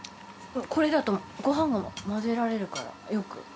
これだとご飯が混ぜられるからよく。